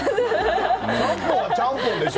ちゃんぽんはちゃーめんでしょ？